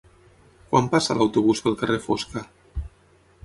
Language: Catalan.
Quan passa l'autobús pel carrer Fosca?